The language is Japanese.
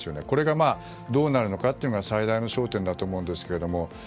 これが、どうなるのかというのが最大の焦点だと思うんですけれども。